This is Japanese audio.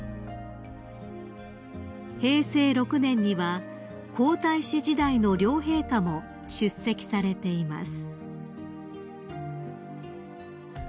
［平成６年には皇太子時代の両陛下も出席されています］